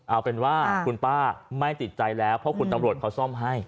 เอาเป็นว่าคุณป้าไม่ติดใจแล้วเพราะคุณตำรวจเขาซ่อมให้